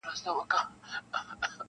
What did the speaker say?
او غمجن غږ خپروي تل,